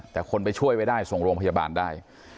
แต่คนไปช่วยไว้ได้ส่งโรงพยาบาลได้